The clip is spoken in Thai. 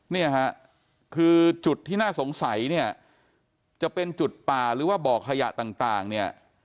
เนี่ยฮะคือจุดที่น่าสงสัยเนี่ยจะเป็นจุดป่าหรือว่าบ่อขยะต่างเนี่ย